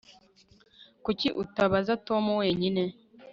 Kuki utabaza Tom wenyine